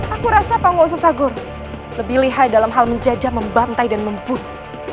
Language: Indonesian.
aku rasa pangu uso sagur lebih lehari dalam hal menjajah membantai dan membunuh